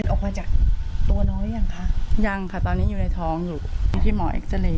ออกมาจากตัวน้องหรือยังคะยังค่ะตอนนี้อยู่ในท้องอยู่ที่หมอเอ็กซาเรย์